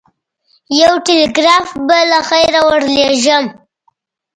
یو ټلګراف به له خیره ورلېږم.